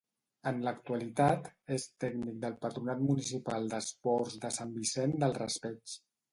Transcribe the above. En l'actualitat, és tècnic del Patronat Municipal d'Esports de Sant Vicent del Raspeig.